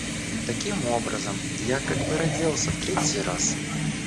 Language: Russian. Таким образом, я как бы родился в третий раз.